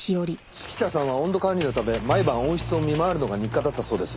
式田さんは温度管理のため毎晩温室を見回るのが日課だったそうです。